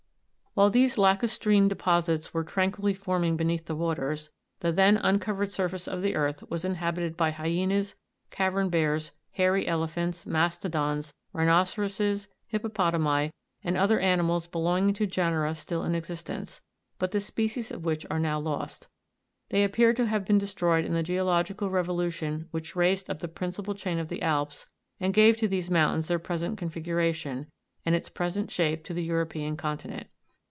29. While these lacu'strine deposits were tranquilly forming be neath the waters, the then uncovered surface of the earth was in habited by hyenas, cavern bears, hairy elephants, ma'stodons, rhi noceroses, hippopo'tami and other animals belonging to genera still in existence, but the species of which are now lost ; they appear to have been destroyed in the geological revolution which raised up the principal chain of the Alps, and gave to these mountains their present configuration, and its present shape to the European continent.